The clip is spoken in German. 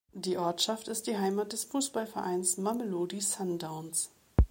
Die Ortschaft ist die Heimat des Fußballvereins Mamelodi Sundowns.